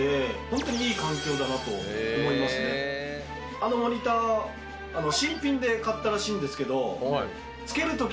あのモニター新品で買ったらしいんですけど。